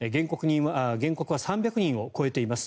原告は３００人を超えています。